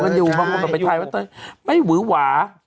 แล้วเขาก็เดาเป็นคู่นี้หรือเปล่า